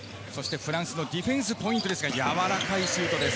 フランスのディフェンスポイントですが柔らかいシュートです。